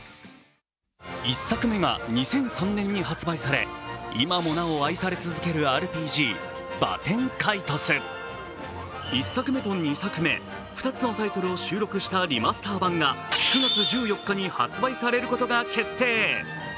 １作目が２００３年に発売され、今もなお愛され続けるＲＰＧ「バテン・カイトス」１作目と２作目、２つのタイトルを収録したリマスター版が９月１４日に発売されることが決定。